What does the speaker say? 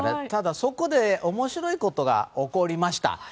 ただ、そこで面白いことが起こりました。